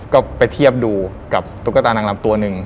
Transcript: ก็ไปเทียบดูกับตุ๊กตานางลำตัวหนึ่ง